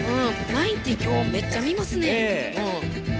１９９０、今日めっちゃ見ますね。